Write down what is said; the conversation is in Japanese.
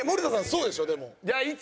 そうでしょ？でも。